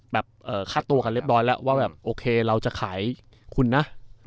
ค่าตัวกันเรียบร้อยแล้วว่าแบบโอเคเราจะขายคุณนะ